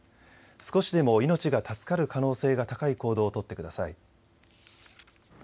少しでも命が助かる可能性が高い行動を取ってください。